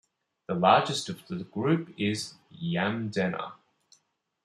The largest of the group is Yamdena.